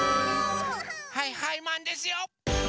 はいはいマンですよ！